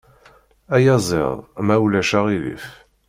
Ayaziḍ, ma ulac aɣilif.